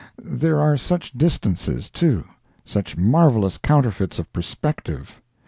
There are such distances, too, such marvellous counterfeits of perspective.